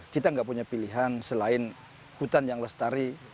kita nggak punya pilihan selain hutan yang lestari